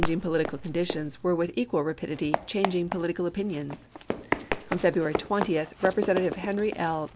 ing political conditions were with equal rapidity changing political opinions. On February 20, Rep resentative Henry L.